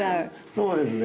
そうですね。